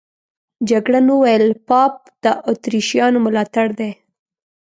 جګړن وویل پاپ د اتریشیانو ملاتړی دی.